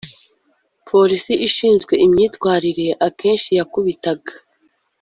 polisi ishinzwe imyitwarire akenshi yakubitaga